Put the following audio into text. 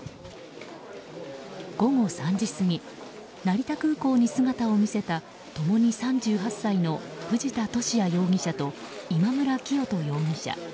午後３時過ぎ成田空港に姿を見せた共に３８歳の藤田聖也容疑者と今村磨人容疑者。